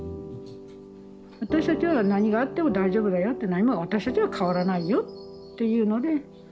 私たちは何があっても大丈夫だよって何も私たちは変わらないよっていうので見守りますよと。